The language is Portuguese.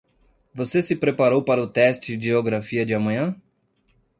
Você se preparou para o teste de Geografia de amanhã?